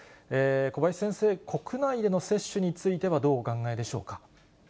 小林先生、国内での接種についてはどうお考えでしょうか。